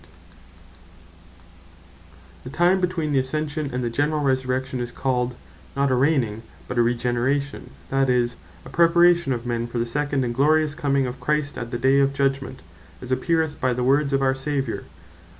From The Name Of Regeneration The time between the Ascension, and the generall Resurrection, is called, not a Reigning, but a Regeneration; that is, a Preparation of men for the second and glorious coming of Christ, at the day of Judgment; as appeareth by the words of our Saviour, Mat.